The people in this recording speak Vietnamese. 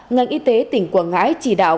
ngành y tế tỉnh quảng ngãi chỉ đạo